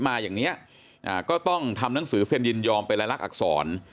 มาอย่างนี้ก็ต้องทำหนังสือเซ็นยินยอมเป็นรายลักษณอักษร